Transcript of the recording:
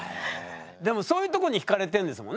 でもそういうとこにひかれてんですもんね？